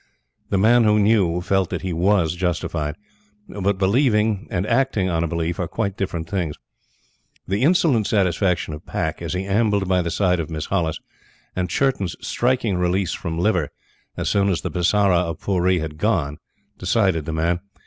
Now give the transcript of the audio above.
The Man who Knew felt that he WAS justified; but believing and acting on a belief are quite different things. The insolent satisfaction of Pack as he ambled by the side of Miss Hollis, and Churton's striking release from liver, as soon as the Bisara of Pooree had gone, decided the Man.